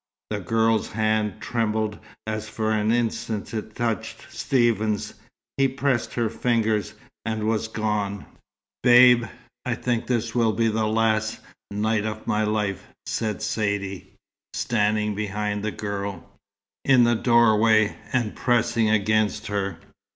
The girl's hand trembled as for an instant it touched Stephen's. He pressed her fingers, and was gone. "Babe, I think this will be the last night of my life," said Saidee, standing behind the girl, in the doorway, and pressing against her.